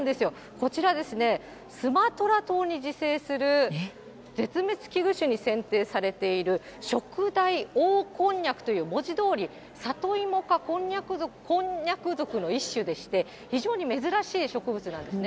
こちらですね、スマトラ島に自生する絶滅危惧種に選定されている、ショクダイオオコンニャクという文字どおり、サトイモ科コンニャク属の一種でして、非常に珍しい植物なんですね。